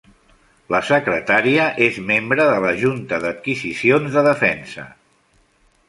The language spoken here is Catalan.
La secretària és membre de la Junta d'Adquisicions de Defensa.